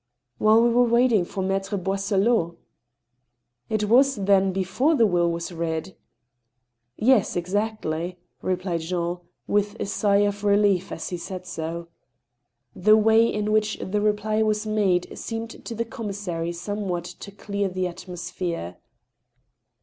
" While we were waiting for Maitre Boisselot." " It was, then, before the will was read ?"" Yes ; exactly," replied Jean, with a sigh of relief as he said so. The way in which the reply was made seemed to the commis sary somewhat to clear the atmosphere.